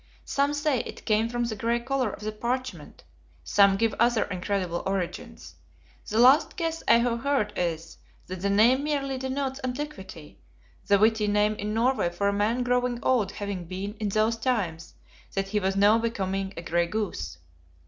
Some say it came from the gray color of the parchment, some give other incredible origins; the last guess I have heard is, that the name merely denotes antiquity; the witty name in Norway for a man growing old having been, in those times, that he was now "becoming a gray goose."